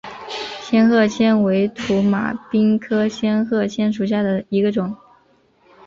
仙鹤藓为土马鬃科仙鹤藓属下的一个种。